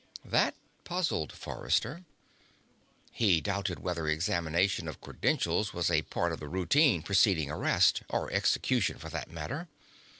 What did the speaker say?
That puzzled Forrester. He doubted whether examination of credentials was a part of the routine preceding arrest or execution, for that matter.